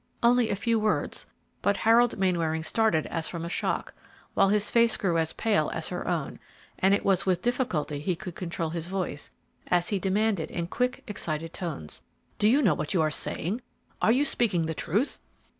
Only a few words, but Harold Mainwaring started as from a shock, while his face grew as pale as her own, and it was with difficulty he could control his voice, as he demanded in quick, excited tones, "Do you know what you are saying? Are you speaking the truth?"